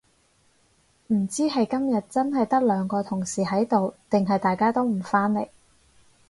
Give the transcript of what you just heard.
唔知係今日真係得兩個同事喺度定係大家都唔返嚟